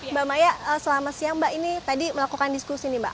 mbak maya selama siang mbak ini tadi melakukan diskusi nih mbak